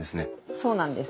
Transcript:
そうなんです。